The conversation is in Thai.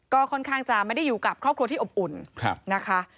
ก็ค่อนข้างจะไม่ได้อยู่กับครอบครัวที่อบอุ่นนะคะ